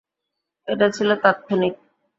এটা ছিল তাৎক্ষণিক।